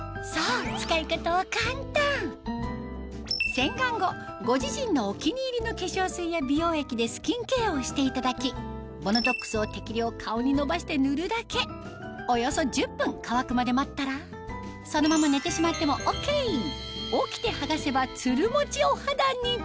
洗顔後ご自身のお気に入りの化粧水や美容液でスキンケアをしていただきＢＯＮＯＴＯＸを適量顔にのばして塗るだけおよそ１０分乾くまで待ったら起きて剥がせばツルモチお肌に！